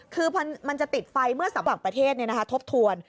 คือมันจะติดไฟเมื่อสำหรับประเทศทบทวน